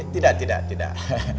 tidak tidak tidak